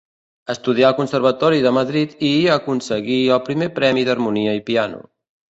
Estudià al Conservatori de Madrid, i hi aconseguí el primer premi d'harmonia i piano.